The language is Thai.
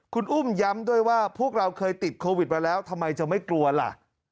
คุณอุ้มย้ำด้วยว่าพวกเราเคยติดโควิดมาแล้วทำไมจะไม่กลัวล่ะ